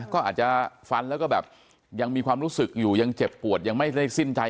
ก็อาจจะฟันแล้วก็แบบยังมีความรู้สึกอยู่ยังเจ็บปวดยังไม่ได้สิ้นใจ